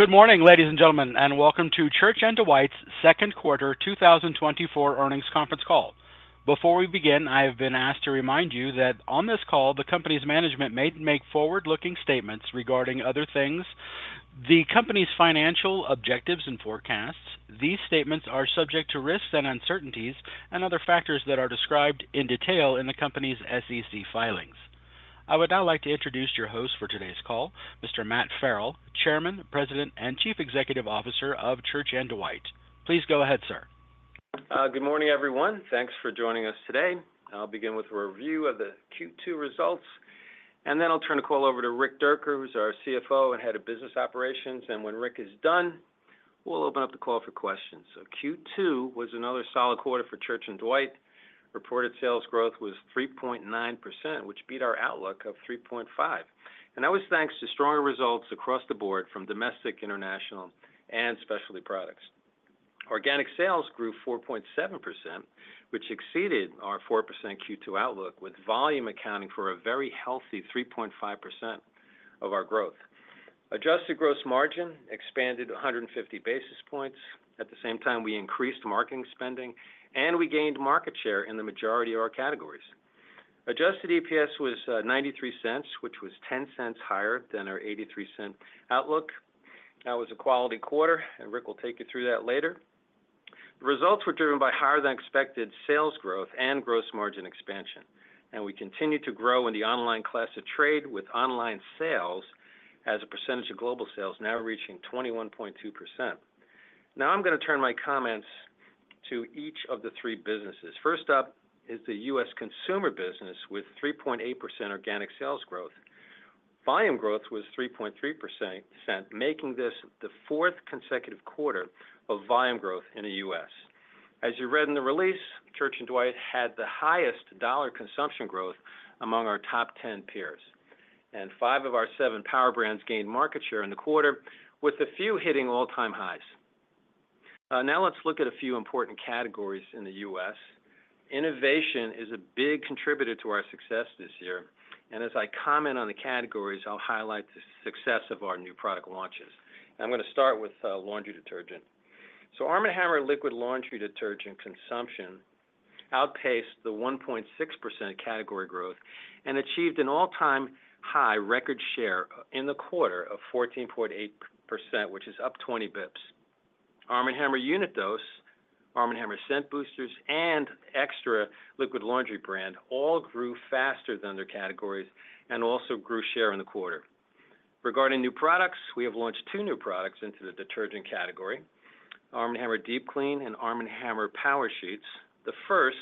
Good morning, ladies and gentlemen, and welcome to Church & Dwight's second quarter 2024 earnings conference call. Before we begin, I have been asked to remind you that on this call, the company's management may make forward-looking statements regarding other things, the company's financial objectives and forecasts. These statements are subject to risks and uncertainties and other factors that are described in detail in the company's SEC filings. I would now like to introduce your host for today's call, Mr. Matt Farrell, Chairman, President, and Chief Executive Officer of Church & Dwight. Please go ahead, sir. Good morning, everyone. Thanks for joining us today. I'll begin with a review of the Q2 results, and then I'll turn the call over to Rick Dierker, who's our CFO and Head of Business Operations. And when Rick is done, we'll open up the call for questions. So Q2 was another solid quarter for Church & Dwight. Reported sales growth was 3.9%, which beat our outlook of 3.5%, and that was thanks to stronger results across the board from domestic, international, and specialty products. Organic sales grew 4.7%, which exceeded our 4% Q2 outlook, with volume accounting for a very healthy 3.5% of our growth. Adjusted gross margin expanded 150 basis points. At the same time, we increased marketing spending, and we gained market share in the majority of our categories. Adjusted EPS was $0.93, which was ten cents higher than our $0.83 outlook. That was a quality quarter, and Rick will take you through that later. The results were driven by higher than expected sales growth and gross margin expansion, and we continued to grow in the online class of trade, with online sales as a percentage of global sales now reaching 21.2%. Now, I'm gonna turn my comments to each of the three businesses. First up is the U.S. consumer business, with 3.8% organic sales growth. Volume growth was 3.3%, making this the fourth consecutive quarter of volume growth in the U.S. As you read in the release, Church & Dwight had the highest dollar consumption growth among our top ten peers, and five of our seven power brands gained market share in the quarter, with a few hitting all-time highs. Now let's look at a few important categories in the U.S. Innovation is a big contributor to our success this year, and as I comment on the categories, I'll highlight the success of our new product launches. I'm gonna start with laundry detergent. So ARM & HAMMER liquid laundry detergent consumption outpaced the 1.6% category growth and achieved an all-time high record share in the quarter of 14.8%, which is up 20 bps. ARM & HAMMER unit dose, ARM & HAMMER Scent Boosters, and XTRA liquid laundry brand all grew faster than their categories and also grew share in the quarter. Regarding new products, we have launched two new products into the detergent category, ARM & HAMMER Deep Clean and ARM & HAMMER Power Sheets. The first,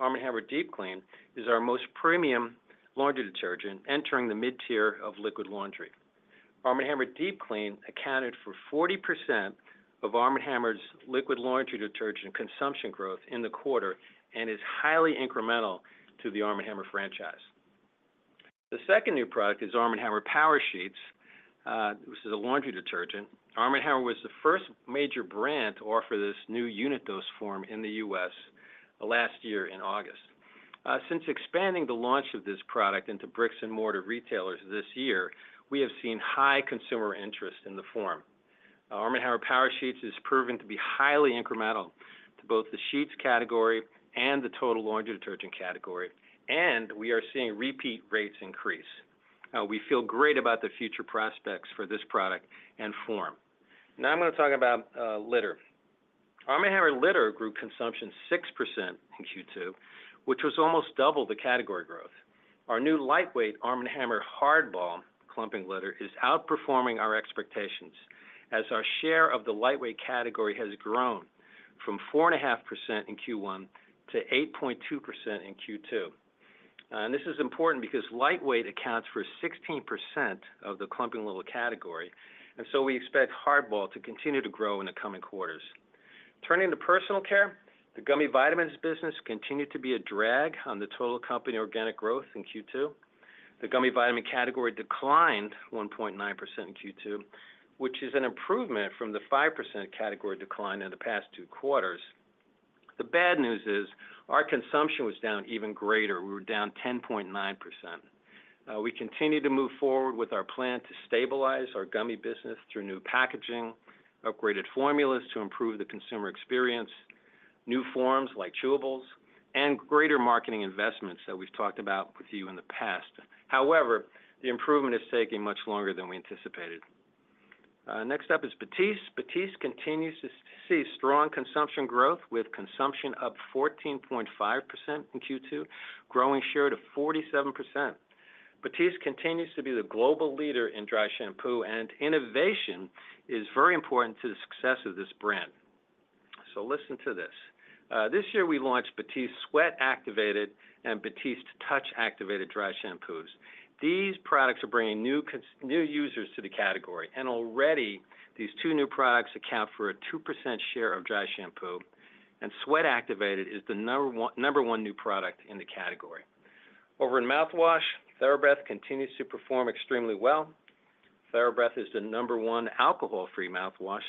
ARM & HAMMER Deep Clean, is our most premium laundry detergent entering the mid-tier of liquid laundry. ARM & HAMMER Deep Clean accounted for 40% of ARM & HAMMER's liquid laundry detergent consumption growth in the quarter and is highly incremental to the ARM & HAMMER franchise. The second new product is ARM & HAMMER Power Sheets. This is a laundry detergent. ARM & HAMMER was the first major brand to offer this new unit dose form in the U.S. last year in August. Since expanding the launch of this product into bricks and mortar retailers this year, we have seen high consumer interest in the form. ARM & HAMMER Power Sheets is proving to be highly incremental to both the sheets category and the total laundry detergent category, and we are seeing repeat rates increase. We feel great about the future prospects for this product and form. Now, I'm gonna talk about litter. ARM & HAMMER Litter grew consumption 6% in Q2, which was almost double the category growth. Our new lightweight ARM & HAMMER HardBall clumping litter is outperforming our expectations as our share of the lightweight category has grown from 4.5% in Q1 to 8.2% in Q2. And this is important because lightweight accounts for 16% of the clumping litter category, and so we expect HardBall to continue to grow in the coming quarters. Turning to personal care, the gummy vitamins business continued to be a drag on the total company organic growth in Q2. The gummy vitamin category declined 1.9% in Q2, which is an improvement from the 5% category decline in the past two quarters. The bad news is our consumption was down even greater. We were down 10.9%. We continue to move forward with our plan to stabilize our gummy business through new packaging, upgraded formulas to improve the consumer experience, new forms like chewables, and greater marketing investments that we've talked about with you in the past. However, the improvement is taking much longer than we anticipated. Next up is Batiste. Batiste continues to see strong consumption growth, with consumption up 14.5% in Q2, growing share to 47%. Batiste continues to be the global leader in dry shampoo, and innovation is very important to the success of this brand. So listen to this. This year, we launched Batiste Sweat Activated and Batiste Touch Activated dry shampoos. These products are bringing new users to the category, and already these two new products account for a 2% share of dry shampoo, and Sweat Activated is the number one, number one new product in the category. Over in mouthwash, TheraBreath continues to perform extremely well. TheraBreath is the number one alcohol-free mouthwash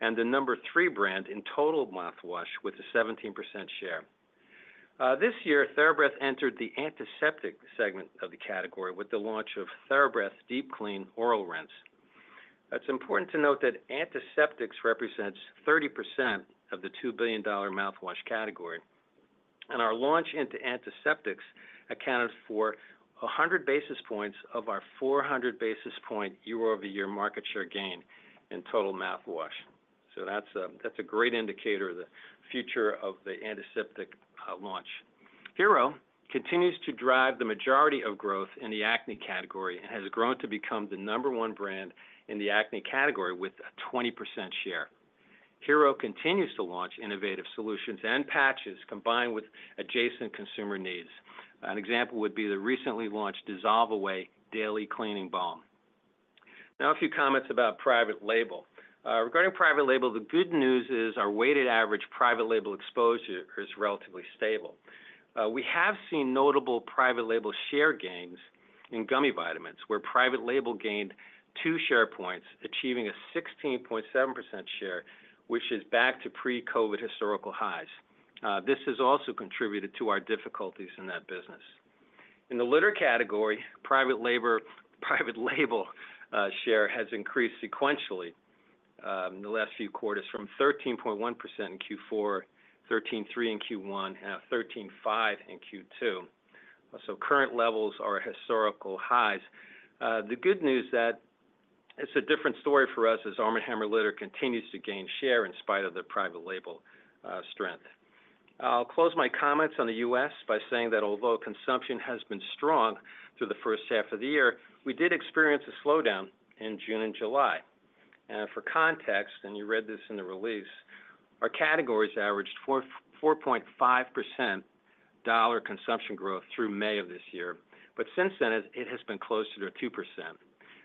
and the number three brand in total mouthwash with a 17% share. This year, TheraBreath entered the antiseptic segment of the category with the launch of TheraBreath Deep Clean Oral Rinse. It's important to note that antiseptics represents 30% of the $2 billion mouthwash category, and our launch into antiseptics accounted for 100 basis points of our 400 basis point year-over-year market share gain in total mouthwash. So that's a, that's a great indicator of the future of the antiseptic launch. Hero continues to drive the majority of growth in the acne category and has grown to become the number one brand in the acne category with a 20% share. Hero continues to launch innovative solutions and patches combined with adjacent consumer needs. An example would be the recently launched Dissolve Away Daily Cleansing Balm. Now, a few comments about private label. Regarding private label, the good news is our weighted average private label exposure is relatively stable. We have seen notable private label share gains in gummy vitamins, where private label gained 2 share points, achieving a 16.7% share, which is back to pre-COVID historical highs. This has also contributed to our difficulties in that business. In the litter category, private label share has increased sequentially in the last few quarters from 13.1% in Q4, 13.3% in Q1, and 13.5% in Q2. So current levels are at historical highs. The good news that it's a different story for us as ARM & HAMMER Litter continues to gain share in spite of the private label strength. I'll close my comments on the U.S. by saying that although consumption has been strong through the first half of the year, we did experience a slowdown in June and July. For context, and you read this in the release, our categories averaged 4.5% dollar consumption growth through May of this year, but since then, it, it has been closer to 2%.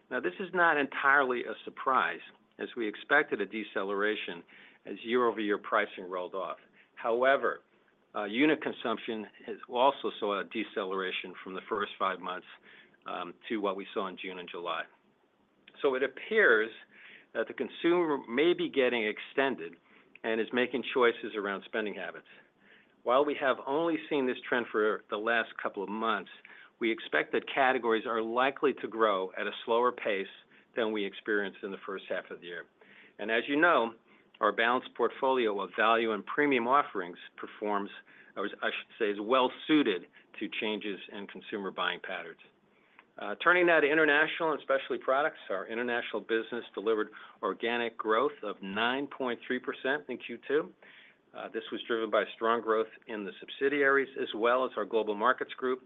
Now, this is not entirely a surprise, as we expected a deceleration as year-over-year pricing rolled off. However, unit consumption has also saw a deceleration from the first five months to what we saw in June and July. So it appears that the consumer may be getting extended and is making choices around spending habits. While we have only seen this trend for the last couple of months, we expect that categories are likely to grow at a slower pace than we experienced in the first half of the year. As you know, our balanced portfolio of value and premium offerings performs, or I should say, is well suited to changes in consumer buying patterns. Turning now to international and specialty products, our international business delivered organic growth of 9.3% in Q2. This was driven by strong growth in the subsidiaries, as well as our global markets group.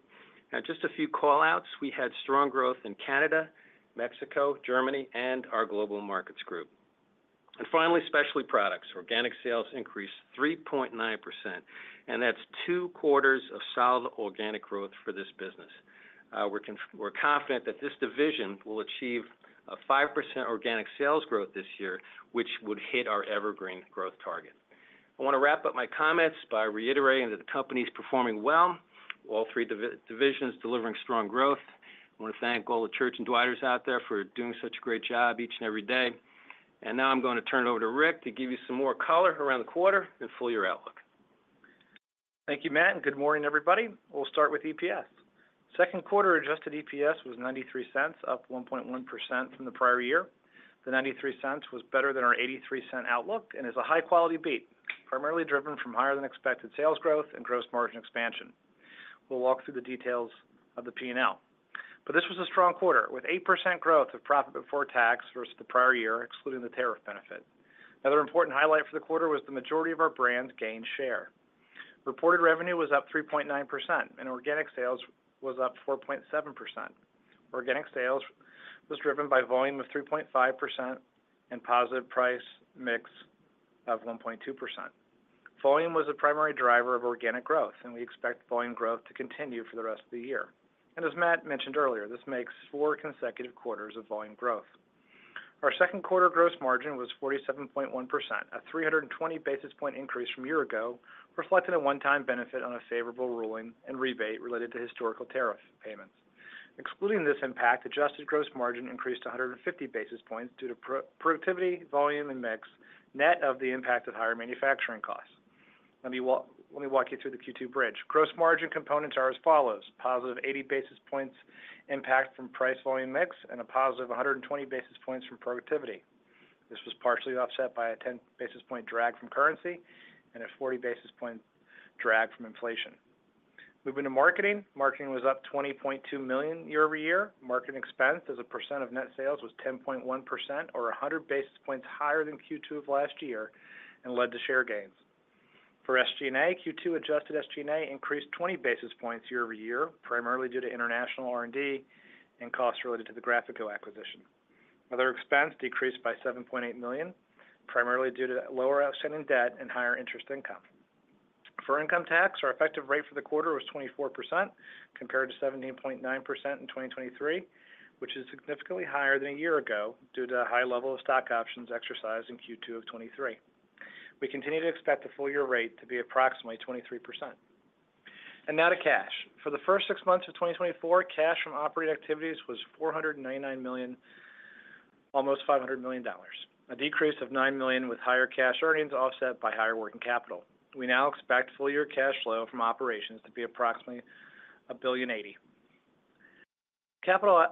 Now, just a few call-outs. We had strong growth in Canada, Mexico, Germany, and our global markets group. And finally, specialty products. Organic sales increased 3.9%, and that's two quarters of solid organic growth for this business. We're confident that this division will achieve a 5% organic sales growth this year, which would hit our evergreen growth target. I want to wrap up my comments by reiterating that the company is performing well, all three divisions delivering strong growth. I want to thank all the Church & Dwight's out there for doing such a great job each and every day. Now I'm going to turn it over to Rick to give you some more color around the quarter and full year outlook. Thank you, Matt, and good morning, everybody. We'll start with EPS. Second quarter adjusted EPS was $0.93, up 1.1% from the prior year. The $0.93 was better than our $0.83 outlook and is a high-quality beat, primarily driven from higher than expected sales growth and gross margin expansion. We'll walk through the details of the P&L, but this was a strong quarter, with 8% growth of profit before tax versus the prior year, excluding the tariff benefit. Another important highlight for the quarter was the majority of our brands gained share. Reported revenue was up 3.9%, and organic sales was up 4.7%. Organic sales was driven by volume of 3.5% and positive price mix of 1.2%. Volume was the primary driver of organic growth, and we expect volume growth to continue for the rest of the year. As Matt mentioned earlier, this makes four consecutive quarters of volume growth. Our second quarter gross margin was 47.1%, a 320 basis point increase from year ago, reflecting a one-time benefit on a favorable ruling and rebate related to historical tariff payments. Excluding this impact, adjusted gross margin increased 150 basis points due to productivity, volume, and mix, net of the impact of higher manufacturing costs. Let me walk you through the Q2 bridge. Gross margin components are as follows: positive 80 basis points impact from price, volume, mix and a +120 basis points from productivity. This was partially offset by a 10 basis point drag from currency and a 40 basis point drag from inflation. Moving to marketing. Marketing was up $20.2 million year-over-year. Marketing expense as a percent of net sales was 10.1% or 100 basis points higher than Q2 of last year and led to share gains. For SG&A, Q2 adjusted SG&A increased 20 basis points year-over-year, primarily due to international R&D and costs related to the Graphico acquisition. Other expense decreased by $7.8 million, primarily due to lower outstanding debt and higher interest income. For income tax, our effective rate for the quarter was 24%, compared to 17.9% in 2023, which is significantly higher than a year ago, due to a high level of stock options exercised in Q2 of 2023. We continue to expect the full year rate to be approximately 23%. And now to cash. For the first six months of 2024, cash from operating activities was $499 million, almost $500 million, a decrease of $9 million, with higher cash earnings offset by higher working capital. We now expect full year cash flow from operations to be approximately $1.08 billion. Capital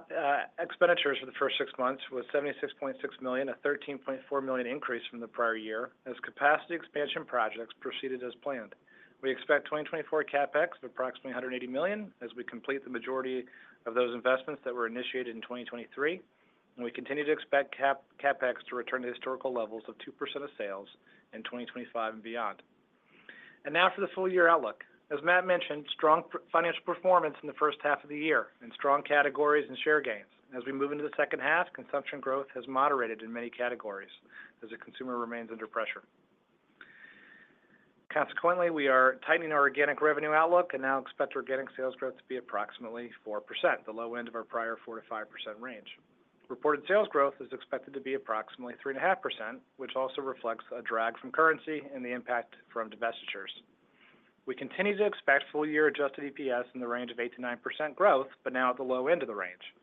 expenditures for the first six months was $76.6 million, a $13.4 million increase from the prior year, as capacity expansion projects proceeded as planned. We expect 2024 CapEx of approximately $180 million, as we complete the majority of those investments that were initiated in 2023, and we continue to expect CapEx to return to historical levels of 2% of sales in 2025 and beyond. Now for the full year outlook. As Matt mentioned, strong financial performance in the first half of the year, and strong categories and share gains. As we move into the second half, consumption growth has moderated in many categories as the consumer remains under pressure. Consequently, we are tightening our organic revenue outlook and now expect our organic sales growth to be approximately 4%, the low end of our prior 4%-5% range. Reported sales growth is expected to be approximately 3.5%, which also reflects a drag from currency and the impact from divestitures. We continue to expect full year adjusted EPS in the range of 8%-9% growth, but now at the low end of the range.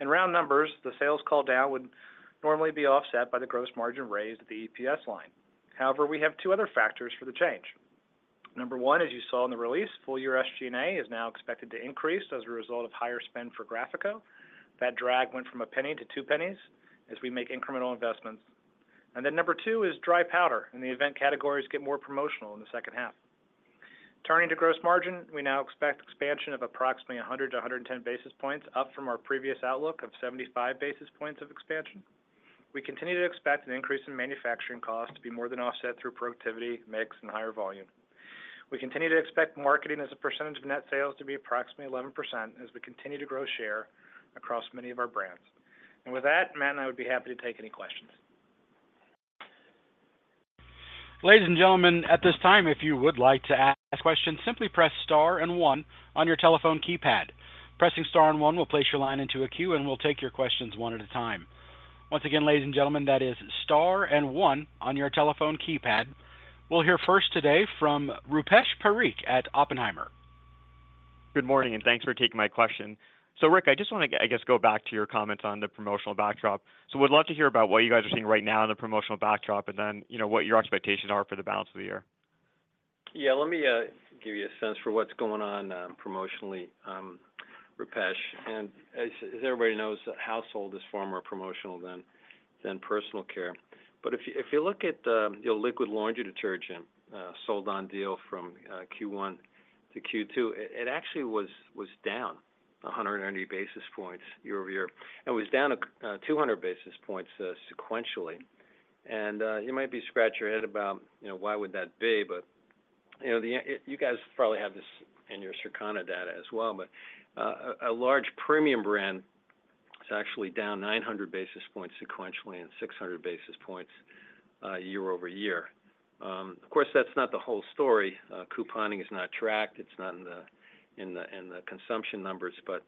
In round numbers, the sales call down would normally be offset by the gross margin raised at the EPS line. However, we have two other factors for the change. Number one, as you saw in the release, full-year SG&A is now expected to increase as a result of higher spend for Graphico. That drag went from a penny to two pennies as we make incremental investments. And then number two is dry powder, and if the categories get more promotional in the second half. Turning to gross margin, we now expect expansion of approximately 100 basis points-110 basis points, up from our previous outlook of 75 basis points of expansion. We continue to expect an increase in manufacturing costs to be more than offset through productivity, mix, and higher volume. We continue to expect marketing as a percentage of net sales to be approximately 11%, as we continue to grow share across many of our brands. With that, Matt and I would be happy to take any questions. Ladies and gentlemen, at this time, if you would like to ask questions, simply press star and one on your telephone keypad. Pressing star and one will place your line into a queue, and we'll take your questions one at a time. Once again, ladies and gentlemen, that is star and one on your telephone keypad. We'll hear first today from Rupesh Parikh at Oppenheimer. Good morning, and thanks for taking my question. So, Rick, I just want to, I guess, go back to your comments on the promotional backdrop. So, would love to hear about what you guys are seeing right now in the promotional backdrop, and then, you know, what your expectations are for the balance of the year. Yeah, let me give you a sense for what's going on promotionally, Rupesh. And as everybody knows, household is far more promotional than personal care. But if you look at your liquid laundry detergent sold on deal from Q1 to Q2, it actually was down 180 basis points year-over-year, and was down 200 basis points sequentially. And you might be scratching your head about, you know, why would that be, but, you know, you guys probably have this in your Circana data as well, but a large premium brand is actually down 900 basis points sequentially and 600 basis points year-over-year. Of course, that's not the whole story. Couponing is not tracked, it's not in the consumption numbers, but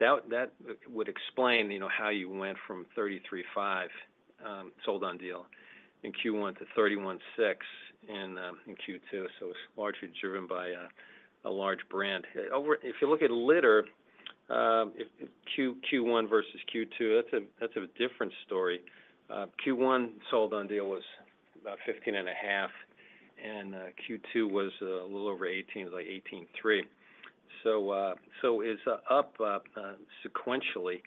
that would explain, you know, how you went from 33.5 sold on deal in Q1 to 31.6 in Q2. So it's largely driven by a large brand. If you look at litter, Q1 versus Q2, that's a different story. Q1 sold on deal was about 15.5, and Q2 was a little over 18, it was like 18.3. So it's up sequentially,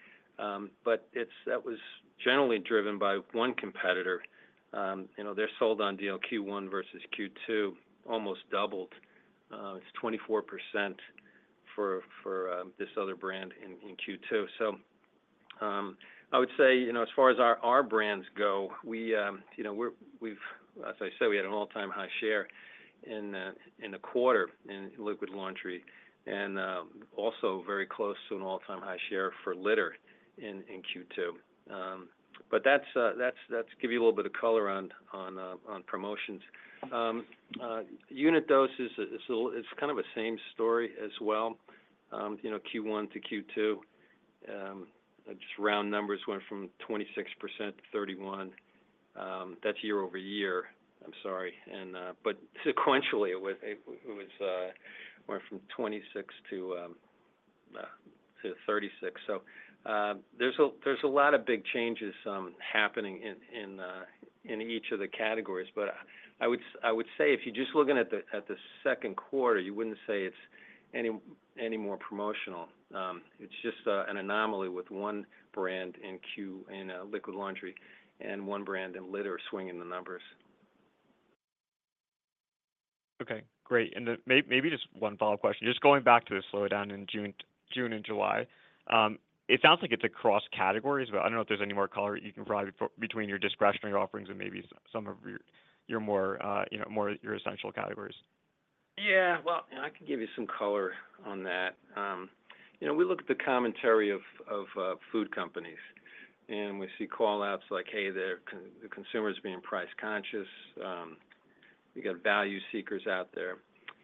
but that was generally driven by one competitor. You know, their sold on deal Q1 versus Q2, almost doubled. It's 24% for this other brand in Q2. I would say, you know, as far as our brands go, we've—as I said, we had an all-time high share in the quarter in liquid laundry, and also very close to an all-time high share for litter in Q2. But that's to give you a little bit of color on promotions. unit doses is a little—it's kind of the same story as well. You know, Q1 to Q2, just round numbers went from 26% to 31%. That's year over year. I'm sorry. But sequentially, it went from 26% to 36%. So, there's a lot of big changes happening in each of the categories. But I would say if you're just looking at the second quarter, you wouldn't say it's any more promotional. It's just an anomaly with one brand in liquid laundry and one brand in litter swinging the numbers. Okay, great. And then maybe just one follow-up question. Just going back to the slowdown in June and July. It sounds like it's across categories, but I don't know if there's any more color you can provide between your discretionary offerings and maybe some of your more, you know, more essential categories. Yeah, well, I can give you some color on that. You know, we look at the commentary of food companies, and we see call-outs like, hey, the consumer is being price conscious, we got value seekers out there.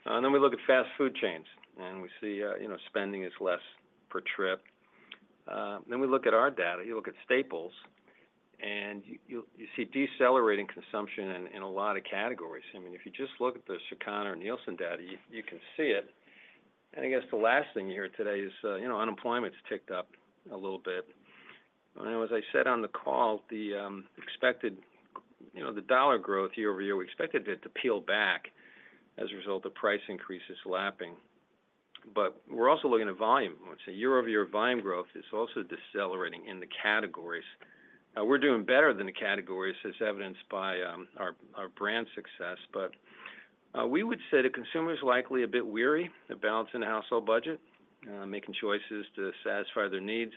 And then we look at fast food chains, and we see, you know, spending is less per trip. Then we look at our data, you look at staples, and you see decelerating consumption in a lot of categories. I mean, if you just look at the Circana or Nielsen data, you can see it. And I guess the last thing here today is, you know, unemployment's ticked up a little bit. And as I said on the call, the expected, you know, the dollar growth year-over-year, we expected it to peel back as a result of price increases lapping. But we're also looking at volume. Let's say year-over-year volume growth is also decelerating in the categories. We're doing better than the categories as evidenced by our brand success. But we would say the consumer is likely a bit weary of balancing the household budget, making choices to satisfy their needs.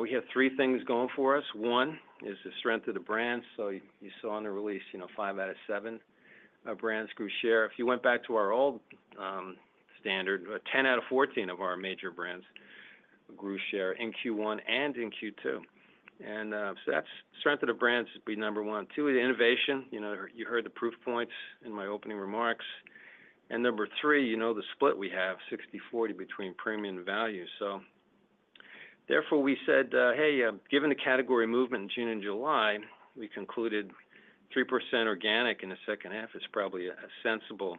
We have three things going for us. One is the strength of the brand. So you saw in the release, you know, 5 out of 7 brands grew share. If you went back to our old standard, but 10 out of 14 of our major brands grew share in Q1 and in Q2. And, so that's strength of the brands would be number one. Two is innovation. You know, you heard the proof points in my opening remarks. And number three, you know, the split we have, 60/40 between premium and value. So therefore, we said, "Hey, given the category movement in June and July, we concluded 3% organic in the second half is probably a sensible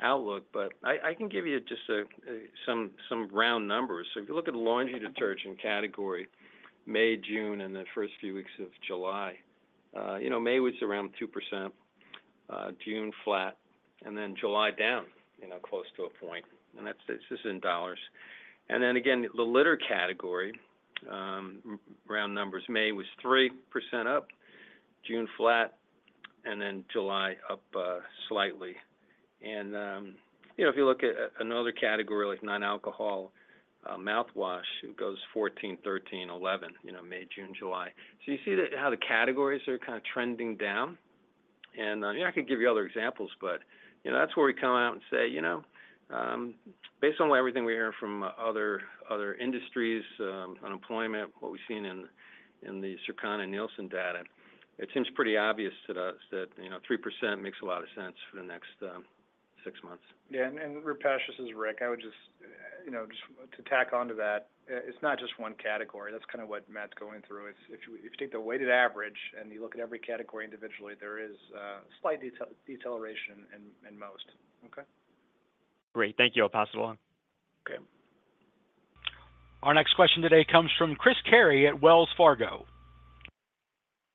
outlook." But I can give you just some round numbers. So if you look at the laundry detergent category, May, June, and the first few weeks of July, you know, May was around 2%, June, flat, and then July, down close to a point, and that's in dollars. And then again, the litter category, round numbers, May was 3% up, June, flat, and then July, up slightly. And, you know, if you look at another category like non-alcohol mouthwash, it goes 14, 13, 11, you know, May, June, July. So you see how the categories are kind of trending down? And, yeah, I could give you other examples, but, you know, that's where we come out and say: You know, based on everything we hear from other industries, unemployment, what we've seen in the Circana and Nielsen data, it seems pretty obvious to us that, you know, 3% makes a lot of sense for the next six months. Yeah, and we're precious as Rick. I would just, you know, just to tack onto that, it's not just one category. That's kind of what Matt's going through. It's – if you take the weighted average, and you look at every category individually, there is a slight deceleration in most. Okay? Great. Thank you. I'll pass it along. Okay. Our next question today comes from Chris Carey at Wells Fargo.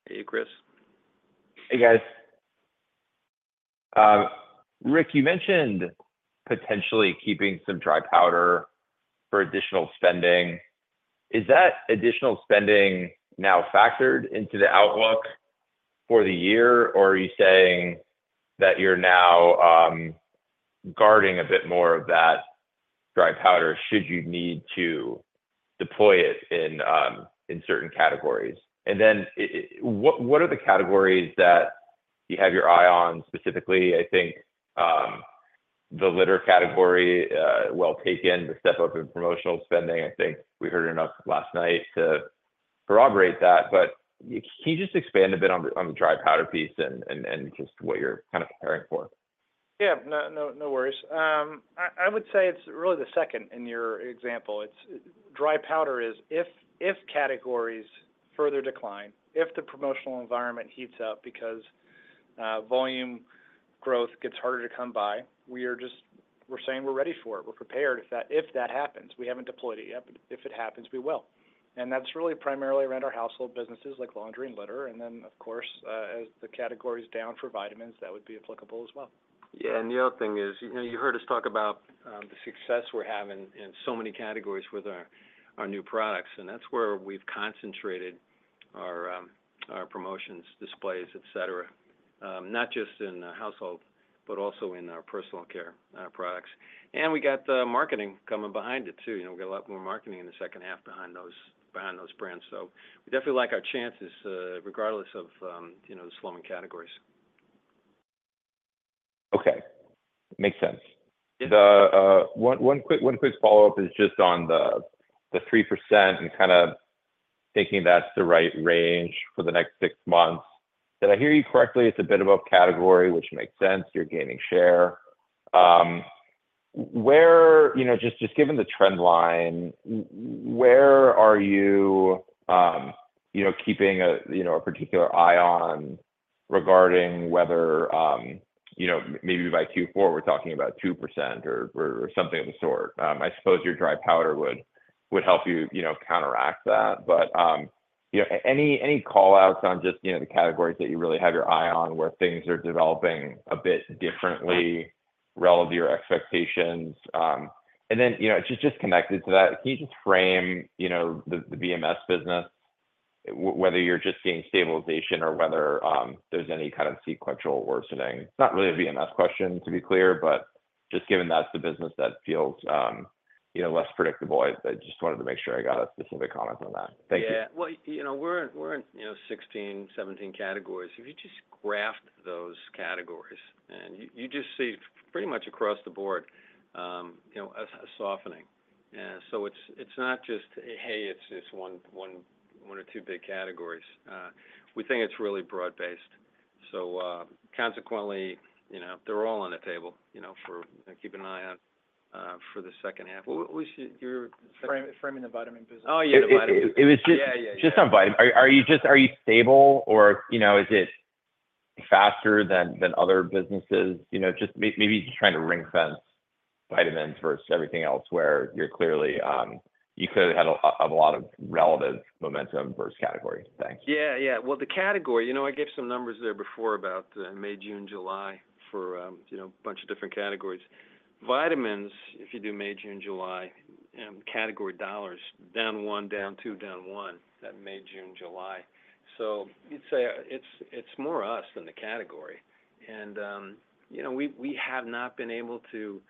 Hey, Chris. Hey, guys. Rick, you mentioned potentially keeping some dry powder for additional spending. Is that additional spending now factored into the outlook for the year, or are you saying that you're now guarding a bit more of that dry powder, should you need to deploy it in certain categories? And then what are the categories that you have your eye on specifically? I think the litter category well taken, the step up in promotional spending. I think we heard enough last night to corroborate that, but can you just expand a bit on the dry powder piece and just what you're kind of preparing for? Yeah. No, no, no worries. I would say it's really the second in your example. It's dry powder is if categories further decline, if the promotional environment heats up because volume growth gets harder to come by, we are just we're saying we're ready for it. We're prepared if that happens. We haven't deployed it yet, but if it happens, we will. And that's really primarily around our household businesses like laundry and litter, and then, of course, as the category is down for vitamins, that would be applicable as well. Yeah, and the other thing is, you know, you heard us talk about the success we're having in so many categories with our new products, and that's where we've concentrated our promotions, displays, et cetera. Not just in the household, but also in our personal care products. And we got the marketing coming behind it, too. You know, we got a lot more marketing in the second half behind those brands. So we definitely like our chances, regardless of, you know, the slowing categories. Okay. Makes sense. Yeah. One quick follow-up is just on the 3% and kind of thinking that's the right range for the next six months. Did I hear you correctly? It's a bit above category, which makes sense, you're gaining share. Where—you know, just given the trend line, where are you keeping a particular eye on regarding whether, you know, maybe by Q4, we're talking about 2% or something of the sort? I suppose your dry powder would help you counteract that. But, you know, any call outs on the categories that you really have your eye on, where things are developing a bit differently relative to your expectations? And then, you know, just, just connected to that, can you just frame, you know, the VMS business, whether you're just seeing stabilization or whether there's any kind of sequential worsening? It's not really a VMS question, to be clear, but just given that's the business that feels, you know, less predictable. I just wanted to make sure I got a specific comment on that. Thank you. Yeah. Well, you know, we're in 16, 17 categories. If you just graph those categories, and you just see pretty much across the board, you know, a softening. So it's not just, hey, it's just one or two big categories. We think it's really broad-based. So consequently, you know, they're all on the table, you know, for keeping an eye on, for the second half. What was your- Framing the vitamin business. Oh, yeah, vitamin. It was just- Yeah, yeah. Just on vitamins. Are you just stable or, you know, is it faster than other businesses? You know, just maybe trying to ring-fence vitamins versus everything else, where you're clearly you clearly had a lot of relevant momentum versus category. Thanks. Yeah, yeah. Well, the category, you know, I gave some numbers there before about May, June, July for you know, a bunch of different categories. Vitamins, if you do May, June, July, category dollars, down 1, down 2, down 1, that May, June, July. So you'd say it's, it's more us than the category. And you know, we, we have not been able to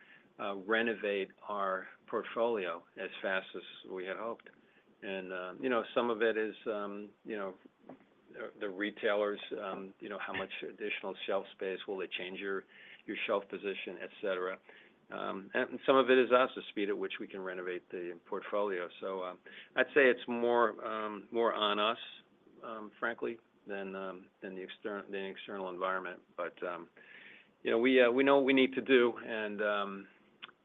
renovate our portfolio as fast as we had hoped. And you know, some of it is you know, the retailers you know, how much additional shelf space will they change your, your shelf position, et cetera. And some of it is us, the speed at which we can renovate the portfolio. So, I'd say it's more, more on us, frankly, than, than the external environment. But, you know, we know what we need to do, and,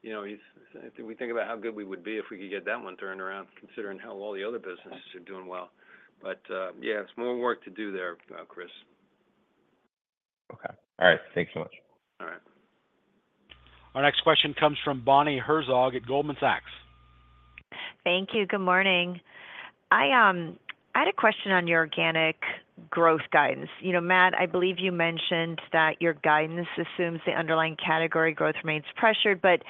you know, if we think about how good we would be if we could get that one turned around, considering how all the other businesses are doing well. But, yeah, it's more work to do there, Chris. Okay. All right. Thanks so much. All right. Our next question comes from Bonnie Herzog at Goldman Sachs. Thank you. Good morning. I had a question on your organic growth guidance. You know, Matt, I believe you mentioned that your guidance assumes the underlying category growth remains pressured, but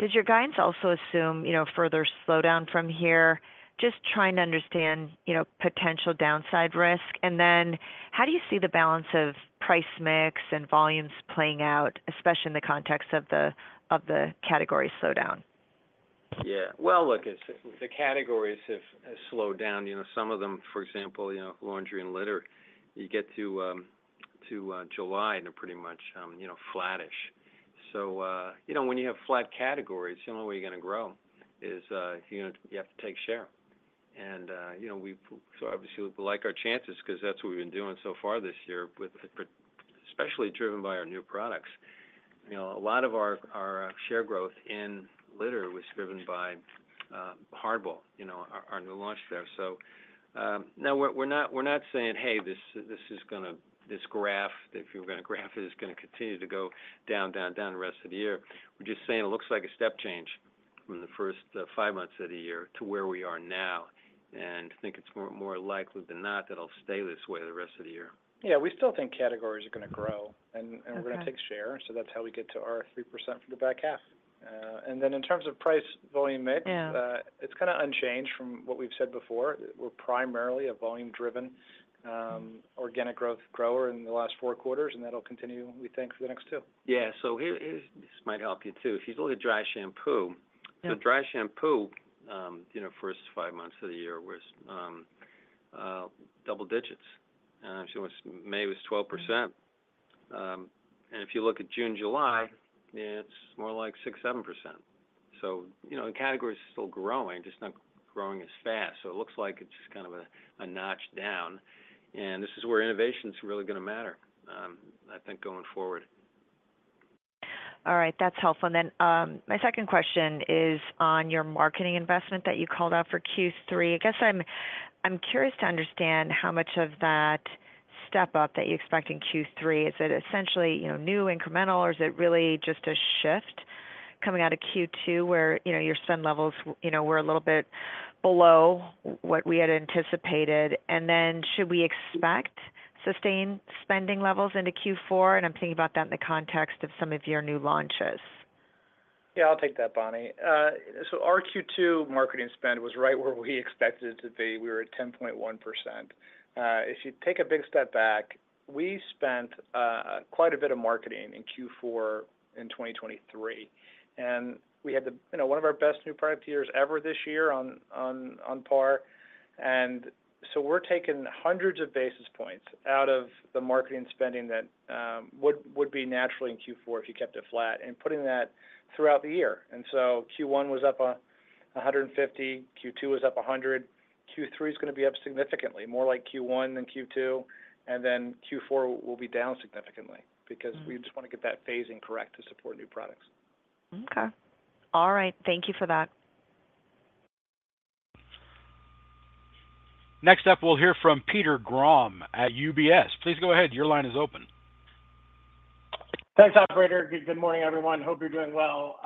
does your guidance also assume, you know, further slowdown from here? Just trying to understand, you know, potential downside risk. And then how do you see the balance of price mix and volumes playing out, especially in the context of the category slowdown? Yeah. Well, look, it's the categories has slowed down. You know, some of them, for example, you know, laundry and litter, you get to July, and they're pretty much, you know, flattish. So, you know, when you have flat categories, the only way you're gonna grow is, you know, you have to take share. And, you know, we've so obviously, we like our chances 'cause that's what we've been doing so far this year, with, but especially driven by our new products. You know, a lot of our share growth in litter was driven by HardBall, you know, our new launch there. So, now we're not saying, "Hey, this is gonna. This graph, if you're gonna graph it, is gonna continue to go down, down, down the rest of the year." We're just saying it looks like a step change from the first five months of the year to where we are now, and think it's more likely than not that it'll stay this way the rest of the year. Yeah, we still think categories are gonna grow- Okay. And we're gonna take share, so that's how we get to our 3% for the back half. And then in terms of price volume mix- Yeah It's kinda unchanged from what we've said before. We're primarily a volume-driven, organic growth grower in the last four quarters, and that'll continue, we think, for the next two. Yeah. So here, this might help you, too. If you look at dry shampoo- Yeah So dry shampoo, you know, first five months of the year was double digits. So it was May was 12%. And if you look at June, July, it's more like 6%-7%. So, you know, the category is still growing, just not growing as fast. So it looks like it's just kind of a notch down, and this is where innovation is really gonna matter, I think, going forward. All right. That's helpful. And then, my second question is on your marketing investment that you called out for Q3. I guess I'm curious to understand how much of that step up that you expect in Q3. Is it essentially, you know, new incremental, or is it really just a shift coming out of Q2, where, you know, your spend levels, you know, were a little bit below what we had anticipated? And then should we expect sustained spending levels into Q4? And I'm thinking about that in the context of some of your new launches. Yeah, I'll take that, Bonnie. So our Q2 marketing spend was right where we expected it to be. We were at 10.1%. If you take a big step back, we spent quite a bit of marketing in Q4 in 2023, and we had the, you know, one of our best new product years ever this year on par. And so we're taking hundreds of basis points out of the marketing spending that would be naturally in Q4 if you kept it flat, and putting that throughout the year. And so Q1 was up 150, Q2 was up 100, Q3 is gonna be up significantly, more like Q1 than Q2, and then Q4 will be down significantly because we just wanna get that phasing correct to support new products. Okay. All right. Thank you for that. Next up, we'll hear from Peter Grom at UBS. Please go ahead. Your line is open. Thanks, operator. Good morning, everyone. Hope you're doing well.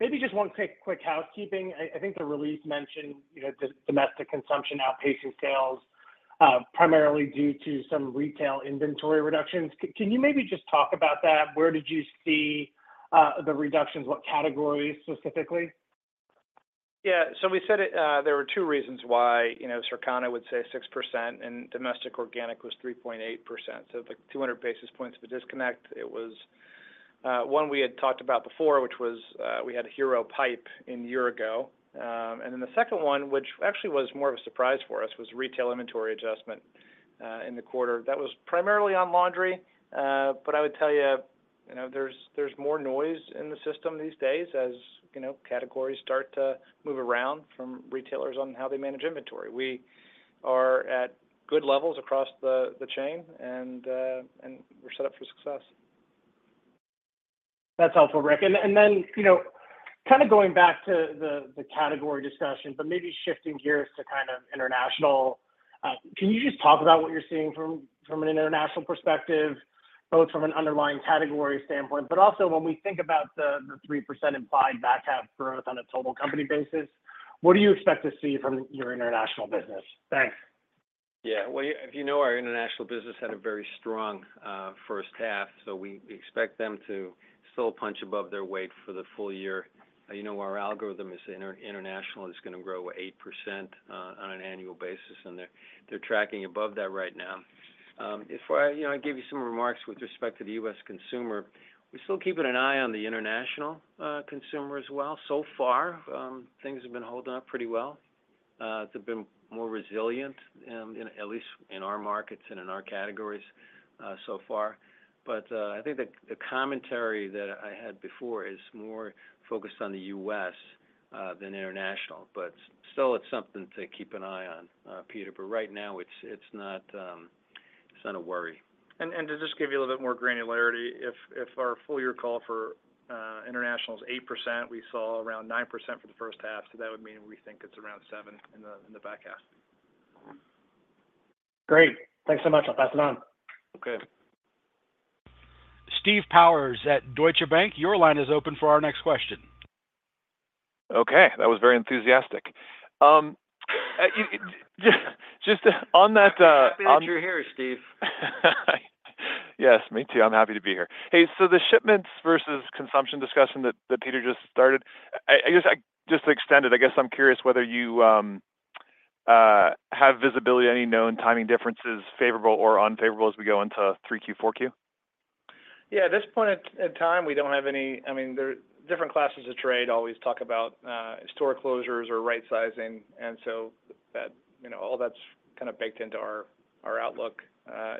Maybe just one quick housekeeping. I think the release mentioned, you know, the domestic consumption outpacing sales, primarily due to some retail inventory reductions. Can you maybe just talk about that? Where did you see the reductions? What categories specifically? Yeah. So we said it, there were two reasons why, you know, Circana would say 6% and domestic organic was 3.8%. So, like, 200 basis points of a disconnect. It was, one we had talked about before, which was, we had a Hero pipe-in a year ago. And then the second one, which actually was more of a surprise for us, was retail inventory adjustment in the quarter. That was primarily on laundry, but I would tell you, you know, there's more noise in the system these days, as, you know, categories start to move around from retailers on how they manage inventory. We are at good levels across the chain, and we're set up for success. That's helpful, Rick. And then, you know, kind of going back to the category discussion, but maybe shifting gears to kind of international, can you just talk about what you're seeing from an international perspective, both from an underlying category standpoint, but also when we think about the 3% implied back half growth on a total company basis, what do you expect to see from your international business? Thanks. Yeah. Well, you know, our international business had a very strong first half, so we expect them to still punch above their weight for the full year. You know, our algorithm is international, is gonna grow 8% on an annual basis, and they're tracking above that right now. If I, you know, I gave you some remarks with respect to the U.S. consumer, we're still keeping an eye on the international consumer as well. So far, things have been holding up pretty well. They've been more resilient, at least in our markets and in our categories, so far. But, I think the commentary that I had before is more focused on the U.S. than international, but still, it's something to keep an eye on, Peter, but right now, it's not a worry. To just give you a little bit more granularity, if our full year call for international is 8%, we saw around 9% for the first half, so that would mean we think it's around 7% in the back half. Great. Thanks so much. I'll pass it on. Okay. Steve Powers at Deutsche Bank, your line is open for our next question. Okay, that was very enthusiastic. Just on that, on- I'm happy you're here, Steve. Yes, me too. I'm happy to be here. Hey, so the shipments versus consumption discussion that Peter just started, I guess just to extend it, I guess I'm curious whether you have visibility, any known timing differences, favorable or unfavorable, as we go into 3Q, 4Q? Yeah, at this point in time, we don't have any. I mean, there are different classes of trade, always talk about store closures or right sizing, and so that, you know, all that's kind of baked into our outlook.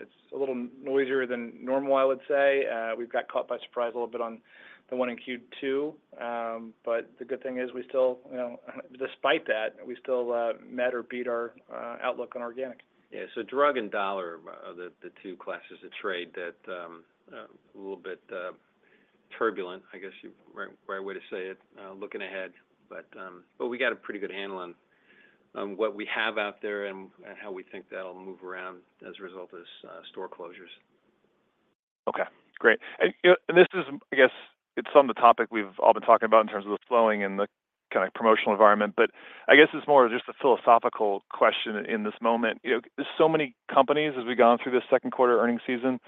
It's a little noisier than normal, I would say. We've got caught by surprise a little bit on the one in Q2, but the good thing is we still, you know, despite that, we still met or beat our outlook on organic. Yeah, so drug and dollar are the two classes of trade that are a little bit turbulent, I guess, right, right way to say it, looking ahead. But, but we got a pretty good handle on what we have out there and how we think that'll move around as a result of those store closures. Okay, great. And, you know, and this is, I guess, it's on the topic we've all been talking about in terms of the slowing and the kind of promotional environment, but I guess it's more of just a philosophical question in this moment. You know, so many companies, as we've gone through this second quarter earnings season,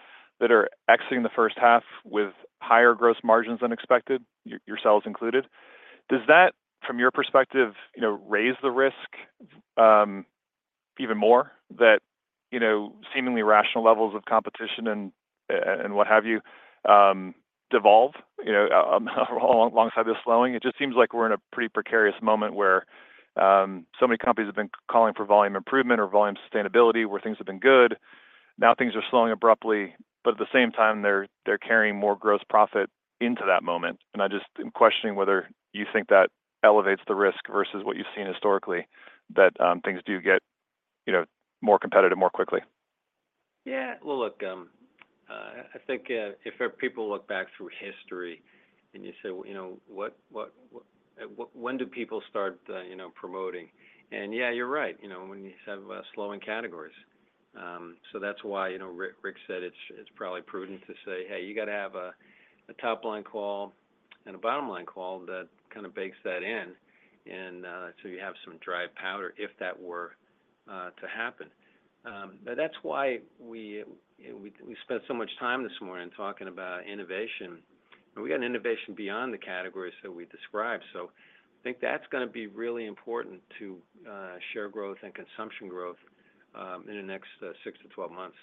that are exiting the first half with higher gross margins than expected, yourselves included. Does that, from your perspective, you know, raise the risk, even more that, you know, seemingly rational levels of competition and, and what have you, devolve, you know, alongside this slowing? It just seems like we're in a pretty precarious moment where, so many companies have been calling for volume improvement or volume sustainability, where things have been good. Now, things are slowing abruptly, but at the same time, they're carrying more gross profit into that moment. And I just, I'm questioning whether you think that elevates the risk versus what you've seen historically, that things do get, you know, more competitive more quickly. Yeah, well, look, I think if people look back through history and you say, "Well, you know, what when do people start, you know, promoting?" And yeah, you're right, you know, when you have slowing categories. So that's why, you know, Rick, Rick said it's, it's probably prudent to say, "Hey, you got to have a top-line call and a bottom-line call that kind of bakes that in, and so you have some dry powder, if that were to happen." But that's why we, we, we spent so much time this morning talking about innovation. And we got an innovation beyond the categories that we described, so I think that's gonna be really important to share growth and consumption growth, in the next six to 12 months.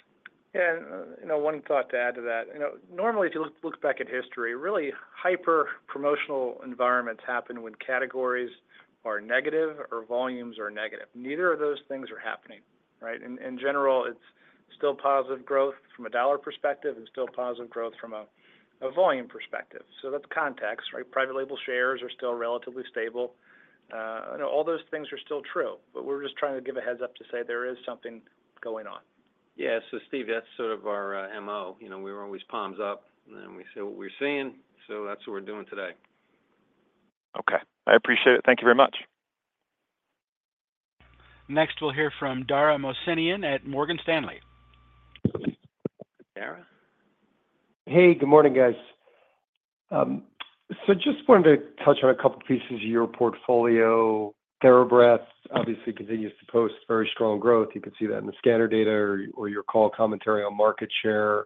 Yeah, you know, one thought to add to that. You know, normally, if you look back at history, really hyper promotional environments happen when categories are negative or volumes are negative. Neither of those things are happening, right? In general, it's still positive growth from a dollar perspective, and still positive growth from a volume perspective. So that's context, right? Private Label shares are still relatively stable. You know, all those things are still true, but we're just trying to give a heads up to say there is something going on. Yeah. So Steve, that's sort of our MO. You know, we're always palms up, and then we say what we're seeing, so that's what we're doing today. Okay. I appreciate it. Thank you very much. Next, we'll hear from Dara Mohsenian at Morgan Stanley. Dara? Hey, good morning, guys. So just wanted to touch on a couple pieces of your portfolio. TheraBreath obviously continues to post very strong growth. You can see that in the scanner data or, or your call commentary on market share,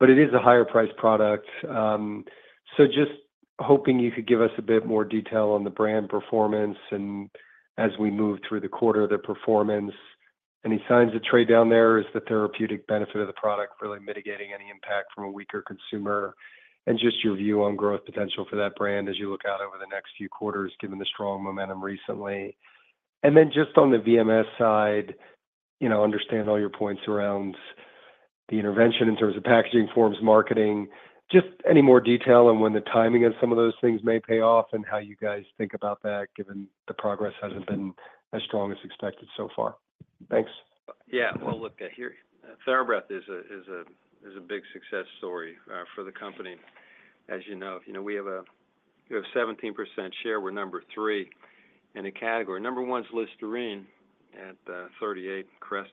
but it is a higher priced product. So just hoping you could give us a bit more detail on the brand performance and as we move through the quarter, the performance. Any signs of trade down there, is the therapeutic benefit of the product really mitigating any impact from a weaker consumer? And just your view on growth potential for that brand as you look out over the next few quarters, given the strong momentum recently. And then just on the VMS side, you know, understand all your points around the intervention in terms of packaging forms, marketing. Just any more detail on when the timing of some of those things may pay off and how you guys think about that, given the progress hasn't been as strong as expected so far? Thanks. Yeah, well, look, here, TheraBreath is a big success story for the company, as you know. You know, we have 17% share. We're number three in the category. Number one's Listerine at 38, Crest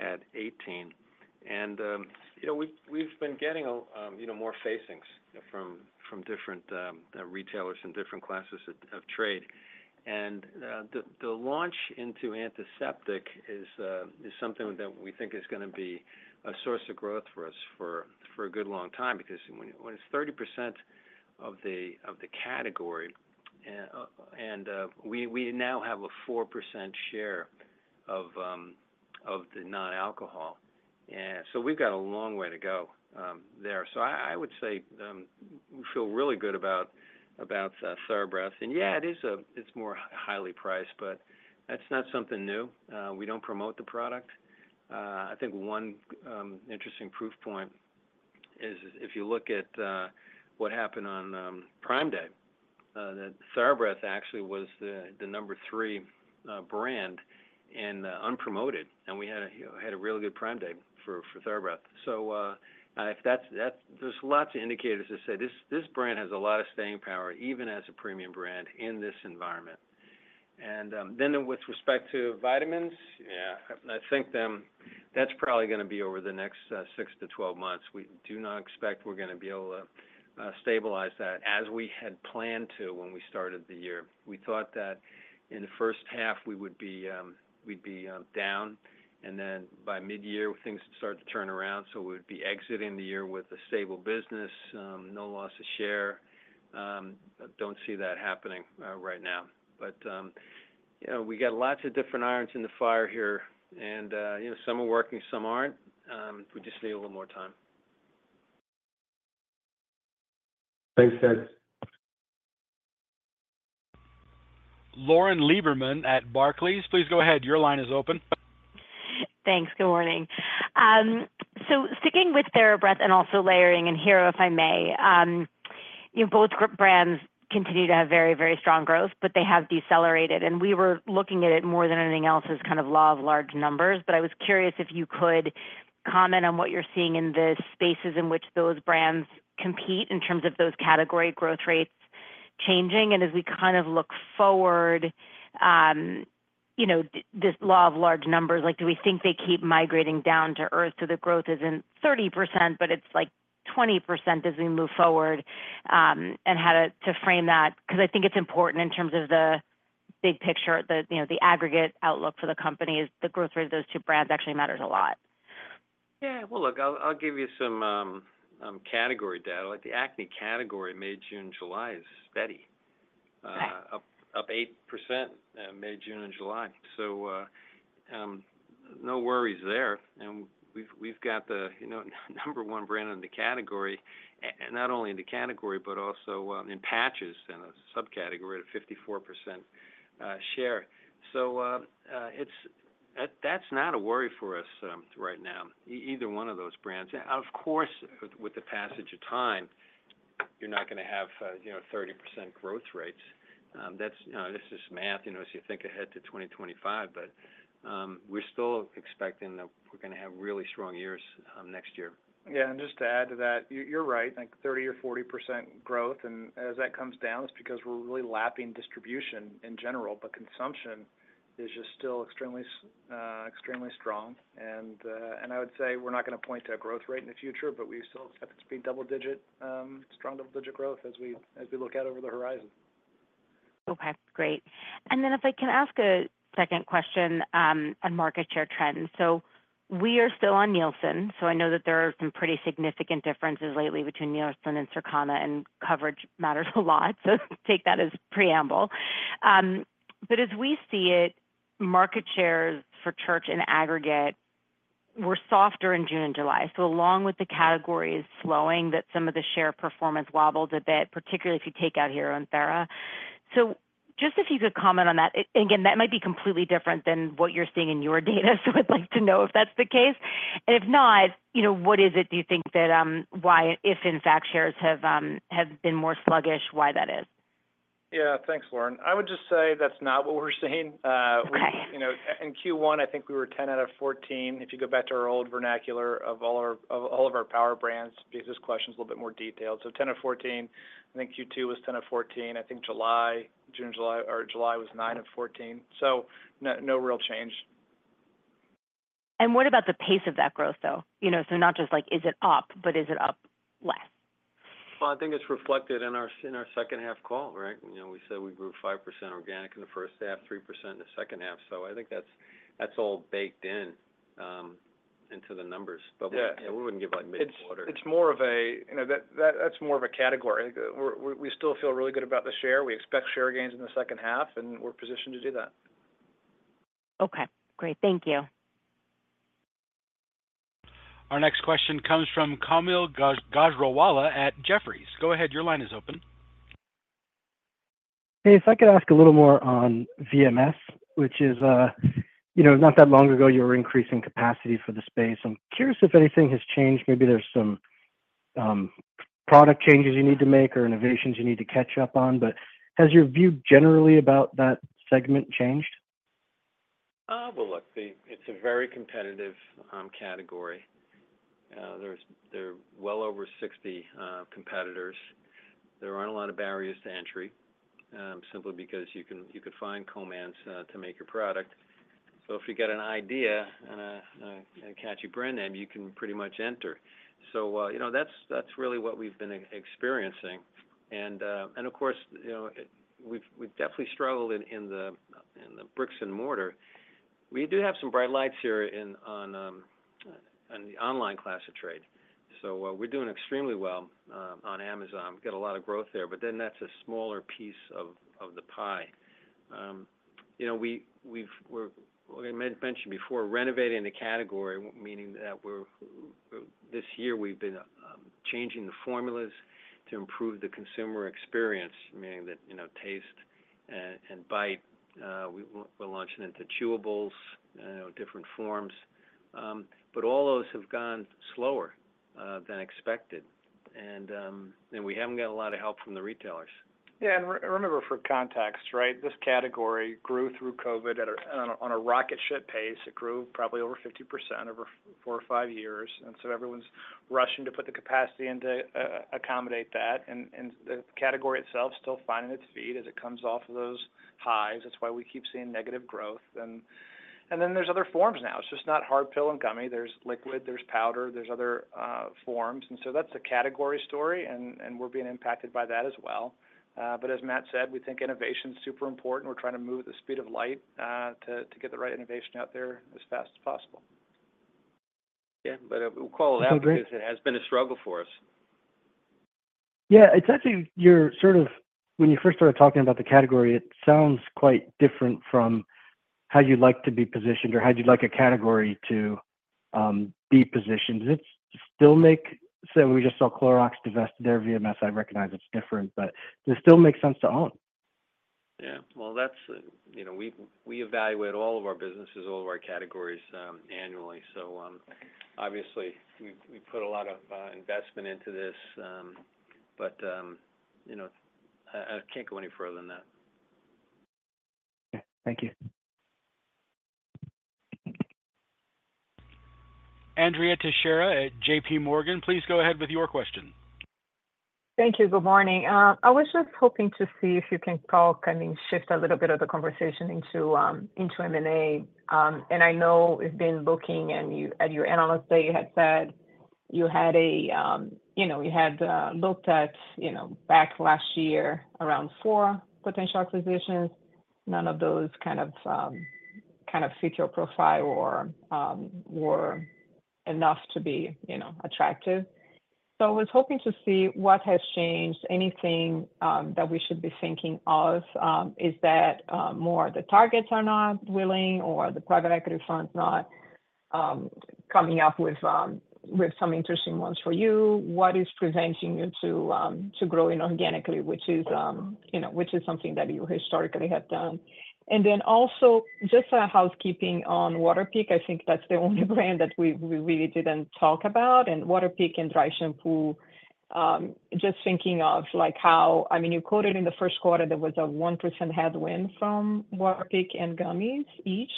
at 18. And you know, we've been getting more facings from different retailers and different classes of trade. And the launch into antiseptic is something that we think is gonna be a source of growth for us for a good long time, because when it's 30% of the category, and we now have a 4% share of the non-alcohol. And so we've got a long way to go there. So I would say we feel really good about TheraBreath. And yeah, it is a—it's more highly priced, but that's not something new. We don't promote the product. I think one interesting proof point is if you look at what happened on Prime Day, that TheraBreath actually was the number 3 brand and unpromoted, and we had a really good Prime Day for TheraBreath. So if that's—that—there's lots of indicators that say this brand has a lot of staying power, even as a premium brand in this environment. And then with respect to vitamins, yeah, I think that's probably gonna be over the next six to 12 months. We do not expect we're gonna be able to, stabilize that as we had planned to when we started the year. We thought that in the first half, we would be, we'd be, down, and then by midyear, things start to turn around, so we'd be exiting the year with a stable business, no loss of share. I don't see that happening, right now. But, you know, we got lots of different irons in the fire here, and, you know, some are working, some aren't. We just need a little more time. Thanks, Ted. Lauren Lieberman at Barclays, please go ahead. Your line is open. Thanks. Good morning. So sticking with TheraBreath and also layering in here, if I may, you know, both brands continue to have very, very strong growth, but they have decelerated, and we were looking at it more than anything else as kind of law of large numbers. But I was curious if you could comment on what you're seeing in the spaces in which those brands compete in terms of those category growth rates changing. And as we kind of look forward, you know, this law of large numbers, like, do we think they keep migrating down to earth? So the growth isn't 30%, but it's like 20% as we move forward, and how to frame that, 'cause I think it's important in terms of the big picture, the, you know, the aggregate outlook for the company is the growth rate of those two brands actually matters a lot. Yeah. Well, look, I'll give you some category data. Like the acne category, May, June, July is steady. Okay. Up 8%, May, June, and July. So, no worries there. And we've got the, you know, number one brand in the category, and not only in the category, but also in patches and a subcategory at 54% share. So, it's, that's not a worry for us, right now, either one of those brands. Of course, with the passage of time, you're not gonna have, you know, 30% growth rates. That's, you know, this is math, you know, as you think ahead to 2025. But, we're still expecting that we're gonna have really strong years, next year. Yeah, and just to add to that, you, you're right, like 30% or 40% growth, and as that comes down, it's because we're really lapping distribution in general, but consumption is just still extremely, extremely strong. And I would say we're not gonna point to a growth rate in the future, but we still expect it to be double-digit, strong double-digit growth as we look out over the horizon. Okay, great. And then if I can ask a second question, on market share trends. So we are still on Nielsen, so I know that there are some pretty significant differences lately between Nielsen and Circana, and coverage matters a lot, so take that as preamble. But as we see it, market shares for Church in aggregate were softer in June and July. So along with the categories slowing, that some of the share performance wobbled a bit, particularly if you take out here on Thera. So just if you could comment on that. Again, that might be completely different than what you're seeing in your data, so I'd like to know if that's the case. And if not, you know, what is it, do you think that, why, if in fact, shares have been more sluggish, why that is? Yeah. Thanks, Lauren. I would just say that's not what we're seeing. Okay. You know, in Q1, I think we were 10 out of 14. If you go back to our old vernacular of all of our power brands, because this question is a little bit more detailed. So 10 of 14, I think Q2 was 10 of 14. I think July, June, July, or July was 9 of 14. So no, no real change. What about the pace of that growth, though? You know, so not just like, is it up, but is it up less? Well, I think it's reflected in our, in our second half call, right? You know, we said we grew 5% organic in the first half, 3% in the second half. So I think that's, that's all baked in, into the numbers. Yeah. But we wouldn't give, like, midquarter. It's more of a. You know, that's more of a category. We still feel really good about the share. We expect share gains in the second half, and we're positioned to do that. Okay, great. Thank you. Our next question comes from Kaumil Gajrawala at Jefferies. Go ahead. Your line is open. Hey, if I could ask a little more on VMS, which is, you know, not that long ago, you were increasing capacity for the space. I'm curious if anything has changed. Maybe there's some product changes you need to make or innovations you need to catch up on, but has your view generally about that segment changed? Well, look, it's a very competitive category. There's well over 60 competitors. There aren't a lot of barriers to entry, simply because you could find co-mans to make your product. So if you get an idea and a catchy brand name, you can pretty much enter. So, you know, that's really what we've been experiencing. Of course, you know, we've definitely struggled in the bricks and mortar. We do have some bright lights here on the online class of trade. So, we're doing extremely well on Amazon. We've got a lot of growth there, but that's a smaller piece of the pie. You know, we've mentioned before, renovating the category, meaning that this year we've been changing the formulas to improve the consumer experience. Meaning that, you know, taste and bite, we're launching into chewables, different forms. But all those have gone slower than expected. And we haven't got a lot of help from the retailers. Yeah, and remember for context, right, this category grew through COVID at a rocket ship pace. It grew probably over 50% over four or five years, and so everyone's rushing to put the capacity in to accommodate that. And the category itself is still finding its feet as it comes off of those highs. That's why we keep seeing negative growth. And then there's other forms now. It's just not hard pill and gummy. There's liquid, there's powder, there's other forms. And so that's a category story, and we're being impacted by that as well. But as Matt said, we think innovation is super important. We're trying to move at the speed of light to get the right innovation out there as fast as possible. Yeah, but we'll call it out- Okay because it has been a struggle for us. Yeah, it's actually, you're sort of-- when you first started talking about the category, it sounds quite different from how you'd like to be positioned or how you'd like a category to be positioned. Does it still make- So we just saw Clorox divest their VMS. I recognize it's different, but does it still make sense to own? Yeah. Well, that's, you know, we evaluate all of our businesses, all of our categories, annually. So, obviously, we've put a lot of investment into this, but, you know, I can't go any further than that. Okay. Thank you. Andrea Teixeira at JPMorgan, please go ahead with your question. Thank you. Good morning. I was just hoping to see if you can talk, I mean, shift a little bit of the conversation into M&A. And I know you've been looking, and you, at your analyst day, you had said you had a, you know, you had looked at, you know, back last year, around four potential acquisitions. None of those kind of, kind of fit your profile or, were enough to be, you know, attractive. So I was hoping to see what has changed, anything, that we should be thinking of, is that, more the targets are not willing or the private equity funds not, coming up with, with some interesting ones for you? What is preventing you to, to growing organically, which is, you know, which is something that you historically have done. And then also, just a housekeeping on Waterpik, I think that's the only brand that we really didn't talk about, and Waterpik and dry shampoo. Just thinking of, like, how you quoted in the first quarter, there was a 1% headwind from Waterpik and gummies each.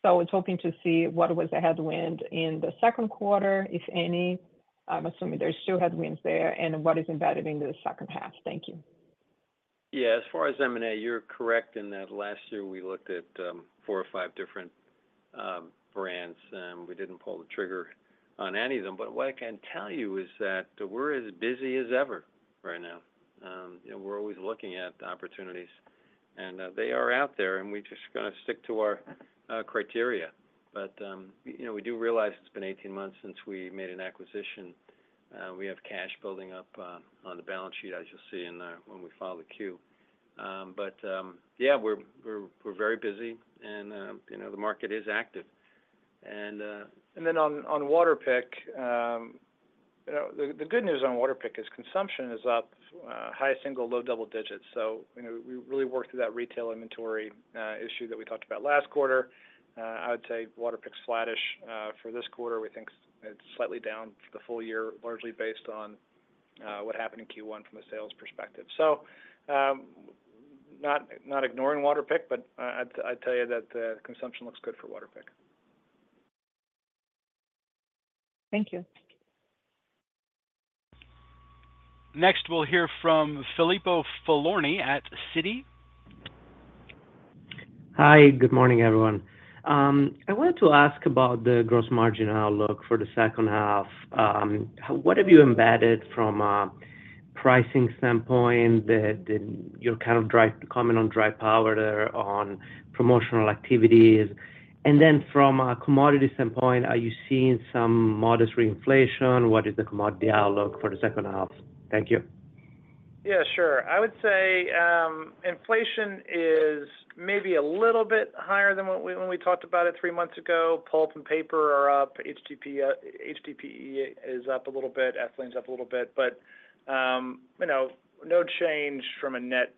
So I was hoping to see what was the headwind in the second quarter, if any. I'm assuming there's still headwinds there, and what is embedded into the second half. Thank you. Yeah, as far as M&A, you're correct in that last year, we looked at four or five different brands, and we didn't pull the trigger on any of them. But what I can tell you is that we're as busy as ever right now. You know, we're always looking at opportunities, and they are out there, and we just gonna stick to our criteria. But you know, we do realize it's been 18 months since we made an acquisition, we have cash building up on the balance sheet, as you'll see in the, when we file the Q. But yeah, we're very busy, and you know, the market is active. And? On Waterpik, you know, the good news on Waterpik is consumption is up, high single, low double digits. So you know, we really worked through that retail inventory issue that we talked about last quarter. I would say Waterpik's flattish for this quarter. We think it's slightly down for the full year, largely based on what happened in Q1 from a sales perspective. So, not ignoring Waterpik, but I'd tell you that consumption looks good for Waterpik. Thank you. Next, we'll hear from Filippo Falorni at Citi. Hi, good morning, everyone. I wanted to ask about the gross margin outlook for the second half. What have you embedded from a pricing standpoint that, that you're kind of, comment on dry powder there on promotional activities? And then from a commodity standpoint, are you seeing some modest reinflation? What is the commodity outlook for the second half? Thank you. Yeah, sure. I would say, inflation is maybe a little bit higher than what we, when we talked about it three months ago. Pulp and paper are up, HDPE, HDPE is up a little bit, ethylene is up a little bit, but, you know, no change from a net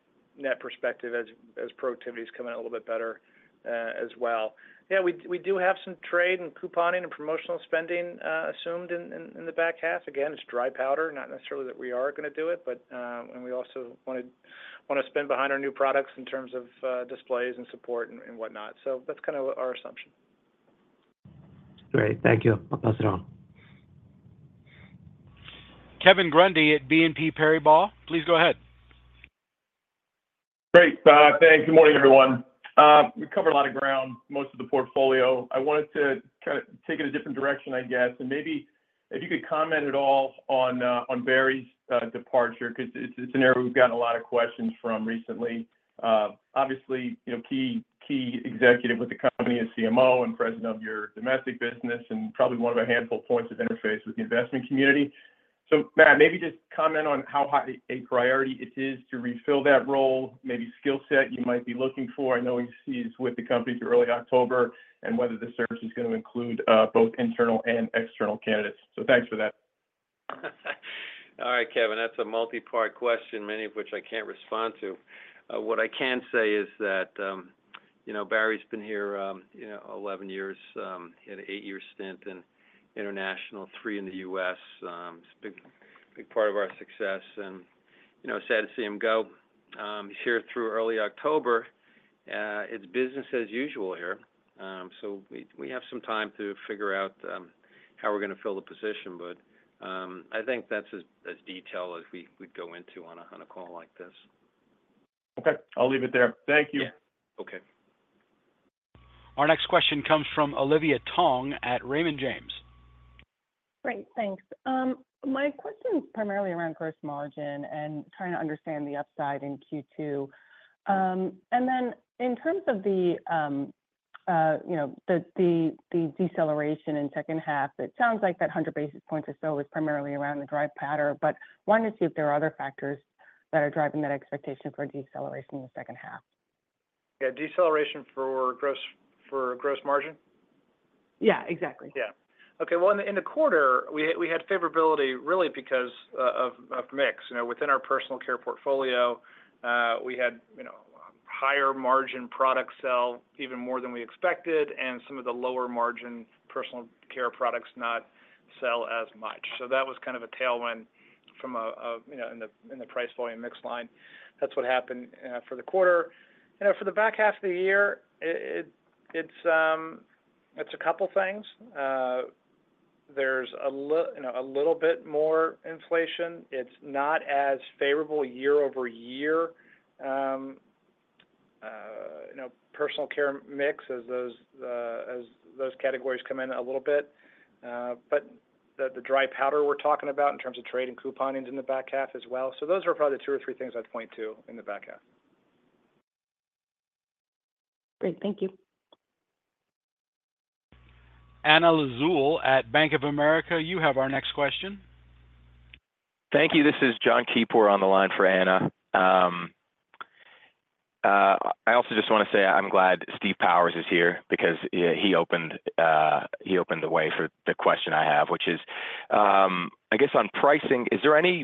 perspective as, as productivity is coming in a little bit better, as well. Yeah, we, we do have some trade and couponing and promotional spending, assumed in, in, in the back half. Again, it's dry powder, not necessarily that we are gonna do it, but, and we also wanna, wanna spend behind our new products in terms of, displays and support and, and whatnot. So that's kind of our assumption. Great. Thank you. I'll pass it on. Kevin Grundy at BNP Paribas, please go ahead. Great, thanks. Good morning, everyone. We've covered a lot of ground, most of the portfolio. I wanted to kinda take it a different direction, I guess, and maybe if you could comment at all on Barry's departure, 'cause it's an area we've gotten a lot of questions from recently. Obviously, you know, key executive with the company and CMO and president of your domestic business, and probably one of a handful of points of interface with the investment community. So Matt, maybe just comment on how high a priority it is to refill that role, maybe skill set you might be looking for. I know he's with the company through early October, and whether the search is gonna include both internal and external candidates. So thanks for that. All right, Kevin, that's a multi-part question, many of which I can't respond to. What I can say is that, you know, Barry's been here, you know, 11 years, he had an 8-year stint in international, 3-year in the U.S. He's a big, big part of our success, and, you know, sad to see him go. He's here through early October. It's business as usual here, so we, we have some time to figure out, how we're gonna fill the position, but, I think that's as, as detailed as we would go into on a, on a call like this. Okay. I'll leave it there. Thank you. Yeah. Okay. Our next question comes from Olivia Tong at Raymond James. Great, thanks. My question is primarily around gross margin and trying to understand the upside in Q2. And then in terms of the, you know, the deceleration in second half, it sounds like that 100 basis points or so was primarily around the dry powder, but wanting to see if there are other factors that are driving that expectation for deceleration in the second half. Yeah, deceleration for gross margin? Yeah, exactly. Yeah. Okay, well, in the quarter, we had favorability really because of mix. You know, within our personal care portfolio, we had, you know, higher margin products sell even more than we expected, and some of the lower margin personal care products not sell as much. So that was kind of a tailwind from a, you know, in the price volume mix line. That's what happened for the quarter. You know, for the back half of the year, it's a couple things. There's a little bit more inflation.It's not as favorable year-over-year, you know, personal care mix as those categories come in a little bit, but the dry powder we're talking about in terms of trade and couponing is in the back half as well. So those are probably the two or three things I'd point to in the back half. Great. Thank you. Anna Lizzul at Bank of America, you have our next question. Thank you. This is John Keypour on the line for Anna. I also just wanna say I'm glad Steve Powers is here because, yeah, he opened the way for the question I have, which is, I guess on pricing, is there any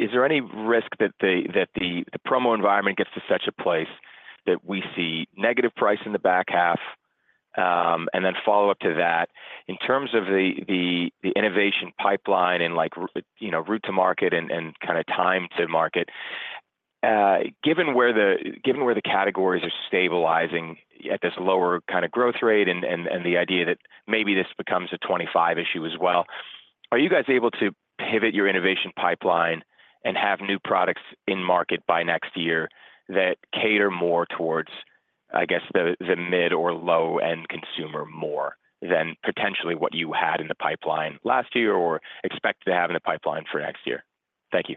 risk that the promo environment gets to such a place that we see negative price in the back half? And then follow-up to that, in terms of the innovation pipeline and like, you know, route to market and kinda time to market, given where the categories are stabilizing at this lower kinda growth rate and the idea that maybe this becomes a 25 issue as well, are you guys able to pivot your innovation pipeline and have new products in market by next year that cater more towards, I guess, the mid or low-end consumer more than potentially what you had in the pipeline last year, or expect to have in the pipeline for next year? Thank you.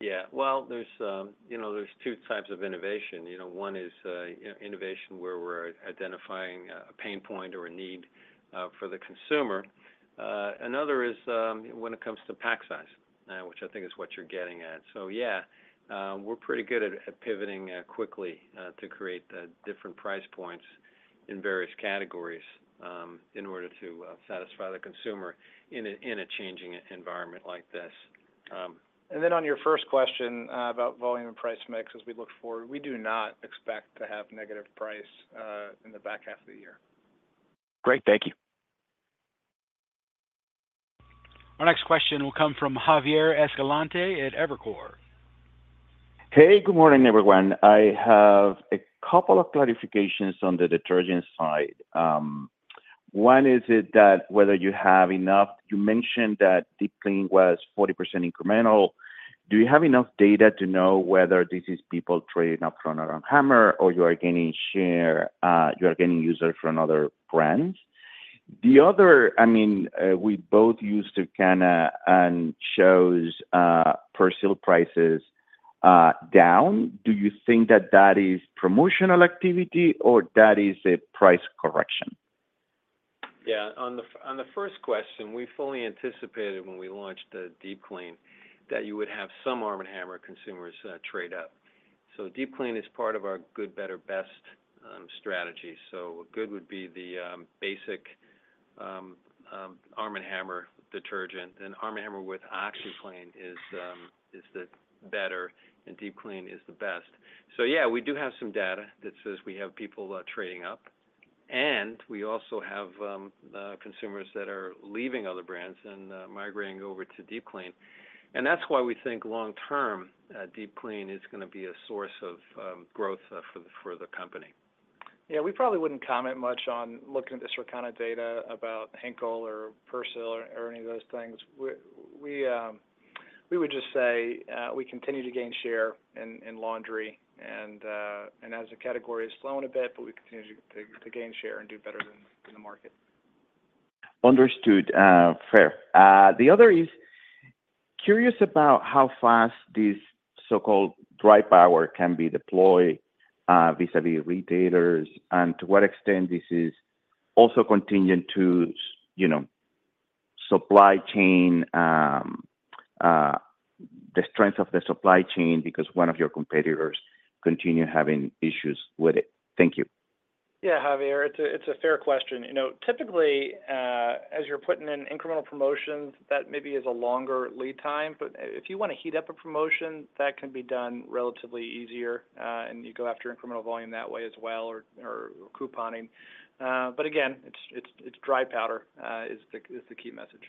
Yeah, well, there's, you know, there's two types of innovation. You know, one is innovation, where we're identifying a pain point or a need for the consumer. Another is when it comes to pack size, which I think is what you're getting at. So yeah, we're pretty good at pivoting quickly to create the different price points in various categories in order to satisfy the consumer in a changing environment like this. Then on your first question, about volume and price mix as we look forward, we do not expect to have negative price in the back half of the year. Great. Thank you. Our next question will come from Javier Escalante at Evercore. Hey, good morning, everyone. I have a couple of clarifications on the detergent side. One, you mentioned that Deep Clean was 40% incremental. Do you have enough data to know whether this is people trading up from ARM & HAMMER or you are gaining share, you are gaining users from other brands? The other, I mean, we both used to kind of see personal prices down. Do you think that that is promotional activity or that is a price correction? Yeah, on the first question, we fully anticipated when we launched the Deep Clean, that you would have some ARM & HAMMER consumers trade up. So Deep Clean is part of our good, better, best strategy. So a good would be the basic Arm & Hammer detergent, and ARM & HAMMER with OxiClean is the better, and Deep Clean is the best. So yeah, we do have some data that says we have people trading up, and we also have consumers that are leaving other brands and migrating over to Deep Clean. And that's why we think long term Deep Clean is gonna be a source of growth for the company. Yeah, we probably wouldn't comment much on looking at the Circana data about Henkel or Persil or any of those things. We would just say we continue to gain share in laundry, and as the category has slowed a bit, but we continue to gain share and do better than in the market. Understood, fair. The other is, curious about how fast this so-called dry powder can be deployed, vis-a-vis retailers, and to what extent this is also contingent to, you know, supply chain, the strength of the supply chain, because one of your competitors continue having issues with it. Thank you. Yeah, Javier, it's a fair question. You know, typically, as you're putting in incremental promotions, that maybe is a longer lead time, but if you wanna heat up a promotion, that can be done relatively easier, and you go after incremental volume that way as well, or couponing. But again, it's dry powder is the key message.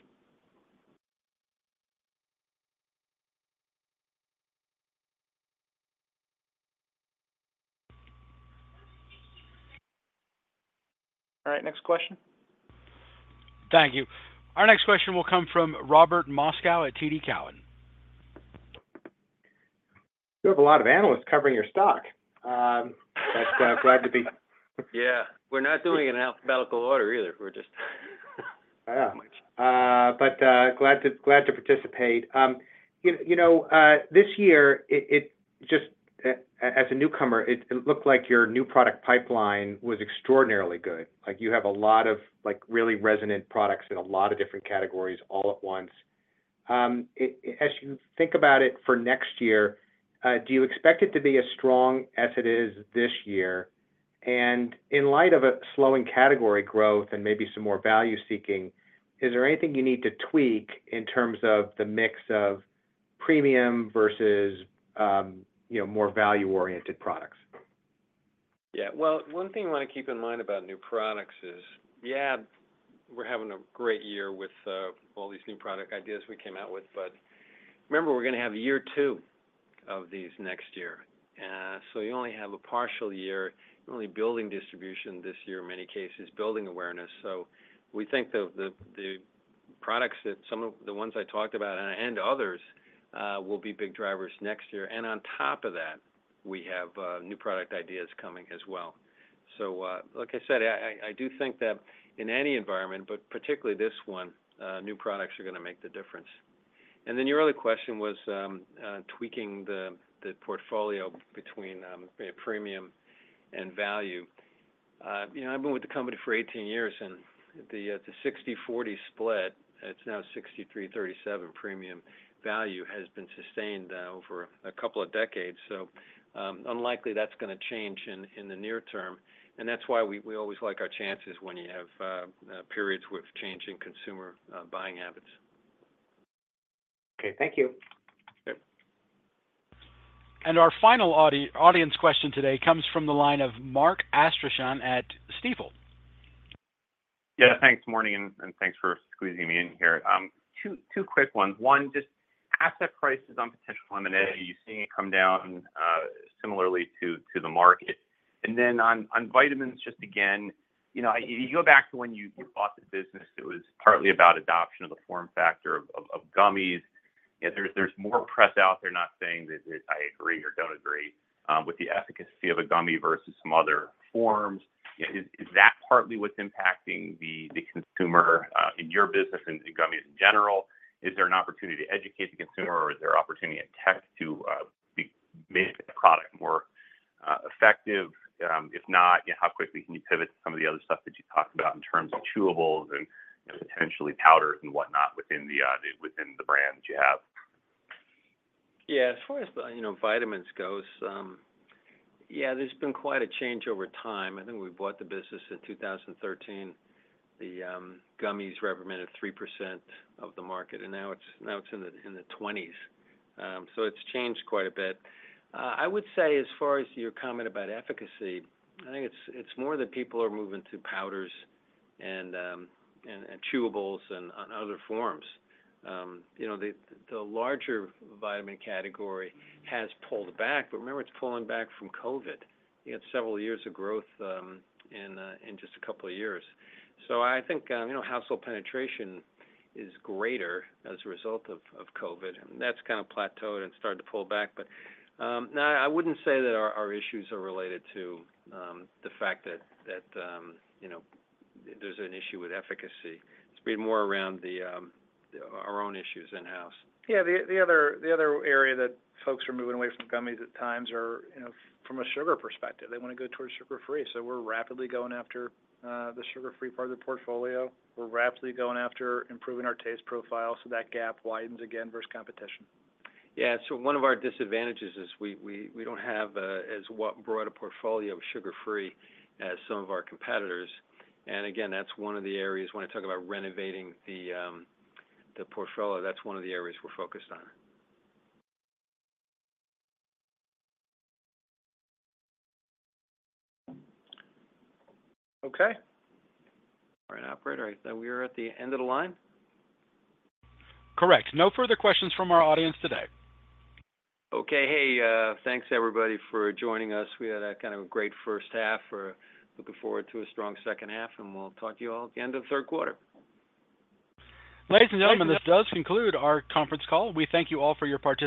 All right, next question? Thank you. Our next question will come from Robert Moskow at TD Cowen. You have a lot of analysts covering your stock. Yeah, we're not doing it in alphabetical order either. We're just. Yeah. But glad to participate. You know, this year, as a newcomer, it looked like your new product pipeline was extraordinarily good. Like, you have a lot of, like, really resonant products in a lot of different categories all at once. As you think about it for next year, do you expect it to be as strong as it is this year? And in light of a slowing category growth and maybe some more value seeking, is there anything you need to tweak in terms of the mix of premium versus, you know, more value-oriented products? Yeah. Well, one thing you wanna keep in mind about new products is, yeah, we're having a great year with all these new product ideas we came out with, but remember, we're gonna have a year two of these next year. So you only have a partial year, you're only building distribution this year, in many cases, building awareness. So we think the products that some of the ones I talked about, and others, will be big drivers next year. And on top of that, we have new product ideas coming as well. So, like I said, I do think that in any environment, but particularly this one, new products are gonna make the difference. And then your other question was tweaking the portfolio between the premium and value. You know, I've been with the company for 18 years, and the 60/40 split, it's now 63/37 premium value, has been sustained over a couple of decades, so unlikely that's gonna change in the near term, and that's why we always like our chances when you have periods with changing consumer buying habits. Okay, thank you. Yep. Our final audience question today comes from the line of Mark Astrachan at Stifel. Yeah, thanks, morning, and thanks for squeezing me in here. 2 quick ones. One, just asset prices on potential M&A, you're seeing it come down similarly to the market. And then on vitamins, just again, you know, you go back to when you bought the business, it was partly about adoption of the form factor of gummies. Yet there's more press out there, not saying that it. I agree or don't agree with the efficacy of a gummy versus some other forms. Is that partly what's impacting the consumer in your business and in gummies in general? Is there an opportunity to educate the consumer, or is there opportunity in tech to make the product more effective? If not, how quickly can you pivot to some of the other stuff that you talked about in terms of chewables and potentially powders and whatnot within the brands you have? Yeah, as far as, you know, vitamins goes, yeah, there's been quite a change over time. I think when we bought the business in 2013, the gummies represented 3% of the market, and now it's in the 20s. So it's changed quite a bit. I would say, as far as your comment about efficacy, I think it's more that people are moving to powders and chewables and other forms. You know, the larger vitamin category has pulled back, but remember, it's pulling back from COVID. You had several years of growth in just a couple of years. So I think, you know, household penetration is greater as a result of COVID, and that's kind of plateaued and started to pull back. But, no, I wouldn't say that our issues are related to the fact that you know, there's an issue with efficacy. It's been more around our own issues in-house. Yeah, the other area that folks are moving away from gummies at times are, you know, from a sugar perspective. They wanna go towards sugar-free, so we're rapidly going after the sugar-free part of the portfolio. We're rapidly going after improving our taste profile, so that gap widens again versus competition. Yeah, so one of our disadvantages is we don't have as broad a portfolio of sugar-free as some of our competitors. And again, that's one of the areas, when I talk about renovating the portfolio, that's one of the areas we're focused on. Okay. All right, operator, I think we are at the end of the line? Correct. No further questions from our audience today. Okay. Hey, thanks, everybody, for joining us. We had a kind of a great first half. We're looking forward to a strong second half, and we'll talk to you all at the end of the third quarter. Ladies and gentlemen, this does conclude our conference call. We thank you all for your participation.